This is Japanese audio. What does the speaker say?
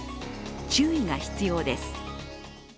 注意が必要です。